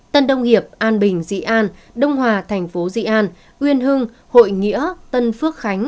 tân đông hiệp an bình dị an đông hòa thành phố dị an uyên hưng hội nghĩa tân phước khánh